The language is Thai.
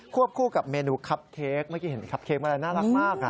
ควบคู่กับเมนูคัปเค้กเมื่อกี้เห็นคัปเค้กอะไรน่ารักมากค่ะ